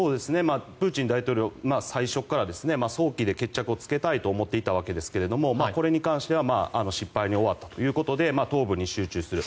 プーチン大統領は最初から早期で決着つけたいと思っていたわけですけどもこれに関しては失敗に終わったということで東部に集中する。